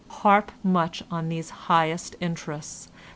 Harp much upon these highest interests.